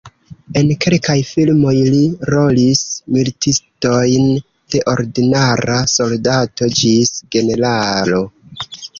En kelkaj filmoj li rolis militistojn de ordinara soldato ĝis generalo.